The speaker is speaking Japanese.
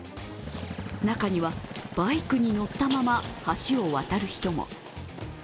中には、バイクに乗ったまま橋を渡る人も。